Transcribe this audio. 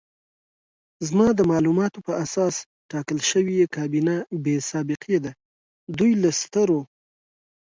زما د معلوماتو په اساس ټاکل شوې کابینه بې سابقې ده، دوی له سترو